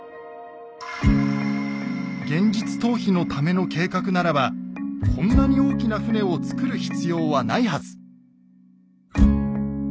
現実逃避のための計画ならばこんなに大きな船を造る必要はないはず。